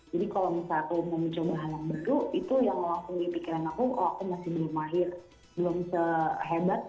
jadi kalau misalkan aku mau mencoba hal yang baru itu yang langsung dipikirin aku oh aku masih belum mahir belum sehebat